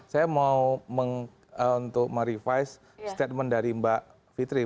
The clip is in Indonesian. saya mau untuk merevice statement dari mbak fitri